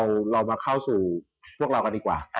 เรามาเข้าสู่พวกเรากันดีกว่า